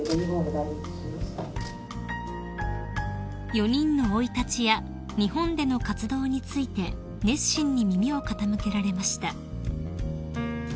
［４人の生い立ちや日本での活動について熱心に耳を傾けられました］